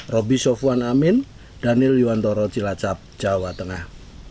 roby sofwan amin daniel yuwantoro cilacap jawa tengah